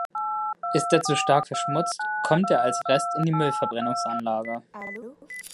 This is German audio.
Ist er zu stark verschmutzt, kommt er als Rest in die Müllverbrennungsanlage.